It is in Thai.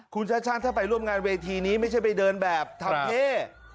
คุณชาติชาติถ้าไปร่วมงานเวทีนี้ไม่ใช่ไปเดินแบบทำเท่